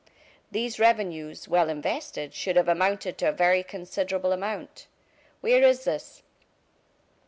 These revenues, well invested, should have amounted to a very considerable amount. Where is this?"